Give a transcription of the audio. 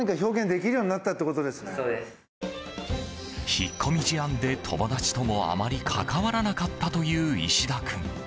引っ込み思案で友達ともあまり関わらなかったという石田君。